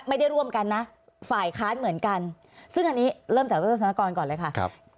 ไม่ได้ร่วมกันนะฝ่ายค้านเหมือนกันซึ่งอันนี้เริ่มจากดรธนกรก่อนเลยค่ะ